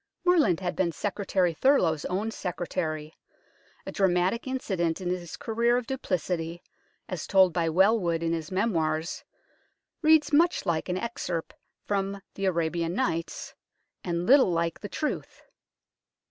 Morland had been Secretary Thurloe's own secretary. A dramatic incident in his career of duplicity, as told by Welwood in his Memoirs, reads much like an excerpt from the Arabian Nights, and little like the truth.